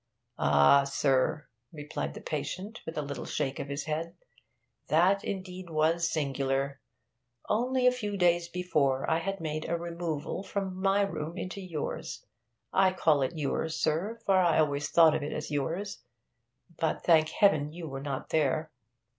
'Ah, sir,' replied the patient, with a little shake of the head, 'that indeed was singular. Only a few days before, I had made a removal from my room into yours. I call it yours, sir, for I always thought of it as yours; but thank heaven you were not there.